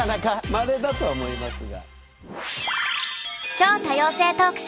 まれだとは思いますが。